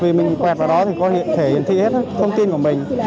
vì mình quẹt vào đó thì có thể hiển thị hết thông tin của mình